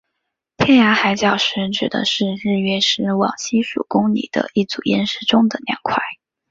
天涯海角石指的是日月石往西数公里的一组岩石中的两块。